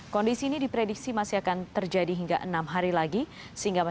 kondisi ini diprediksi masih akan terjadi hingga enam hari lagi